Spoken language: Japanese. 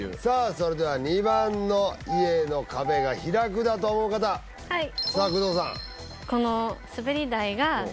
それでは２番の家の壁が開くだと思う方はいさあ工藤さん